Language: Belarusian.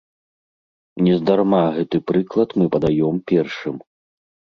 Нездарма гэты прыклад мы падаём першым.